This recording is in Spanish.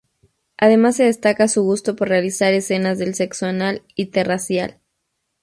Además se destaca su gusto por realizar escenas de sexo anal interracial.